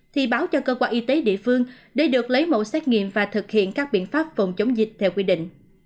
thì báo cho cơ quan y tế địa phương để được lấy mẫu xét nghiệm và thực hiện các biện pháp phòng chống dịch theo quy định